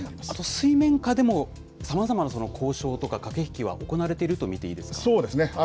あと水面下でも、さまざまな交渉とか、駆け引きは行われていそうですね。